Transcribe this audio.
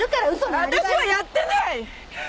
私はやってない！